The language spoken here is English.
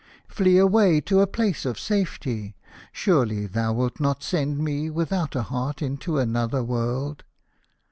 Flee away to a place of safety. Surely thou wilt not send me without a heart into another world